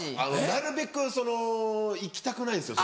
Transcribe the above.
なるべく行きたくないんですよ